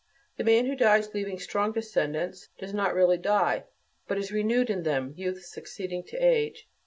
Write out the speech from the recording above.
The man who dies leaving strong descendants, does not really die, but is renewed in them, youth succeeding to age.